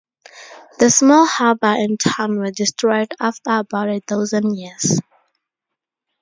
The small harbor and town were destroyed after about a dozen years.